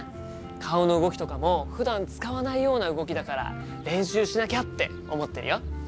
顔の動きとかもふだん使わないような動きだから練習しなきゃって思ってるよ。